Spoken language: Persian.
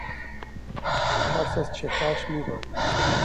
ترس از چهرهاش میبارید.